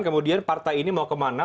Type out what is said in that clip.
kemudian partai ini mau kemana